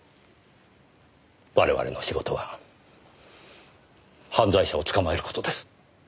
我々の仕事は犯罪者を捕まえる事です。